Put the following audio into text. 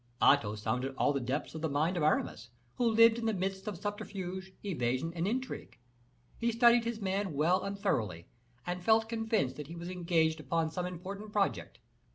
Athos sounded all the depths of the mind of Aramis, who lived in the midst of subterfuge, evasion, and intrigue; he studied his man well and thoroughly, and felt convinced that he was engaged upon some important project.